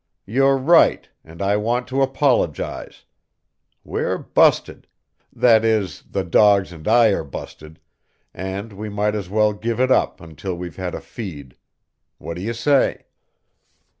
You're right, and I want to apologize. We're busted that is, the dogs and I are busted, and we might as well give it up until we've had a feed. What do you say?"